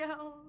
dua hari lagi